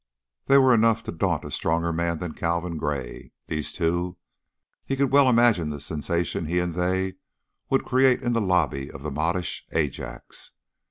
They were enough to daunt a stronger man than Calvin Gray, these two. He could well imagine the sensation he and they would create in the lobby of the modish Ajax.